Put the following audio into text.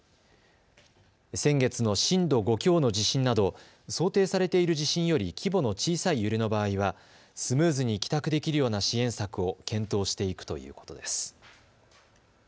先月の震度５強の地震など想定されている地震より規模の小さい揺れの場合はスムーズに帰宅できるような支援策を検討していくということです。